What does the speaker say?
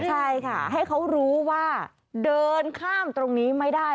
ใช่ค่ะให้เขารู้ว่าเดินข้ามตรงนี้ไม่ได้